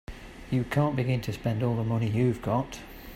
You can't begin to spend all the money you've got.